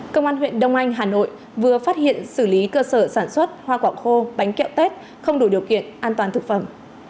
công an huyện đông anh hà nội vừa phát hiện xử lý cơ sở sản xuất hoa quả khô bánh kẹo tết không đủ điều kiện an toàn thực phẩm